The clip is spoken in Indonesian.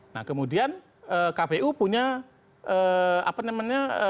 nah kemudian kpu punya apa namanya